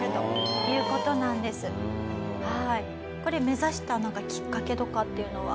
これ目指したきっかけとかっていうのは？